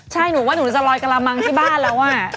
ใช่หนูว่าหนูจะลอยกระมังที่บ้านแล้ว